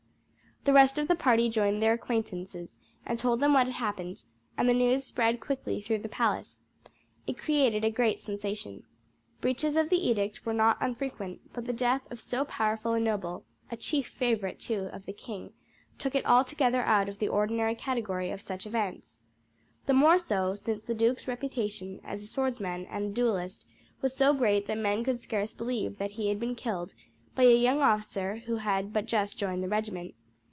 The rest of the party joined their acquaintances, and told them what had happened, and the news spread quickly through the palace. It created a great sensation. Breaches of the edict were not unfrequent; but the death of so powerful a noble, a chief favourite, too, of the king, took it altogether out of the ordinary category of such events. The more so since the duke's reputation as a swordsman and a duellist was so great that men could scarce believe that he had been killed by a young officer who had but just joined the regiment.